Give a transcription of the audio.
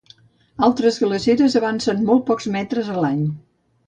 Altres glaceres avancen molt pocs metres a l'any.